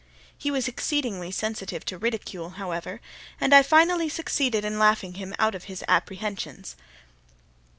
He was exceedingly sensitive to ridicule, however, and I finally succeeded in laughing him out of his apprehensions.